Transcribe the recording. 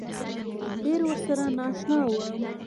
ډېر ورسره نا اشنا وم.